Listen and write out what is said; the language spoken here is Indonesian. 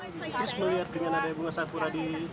terus melihat keadaan bunga sakura di kijang ini gimana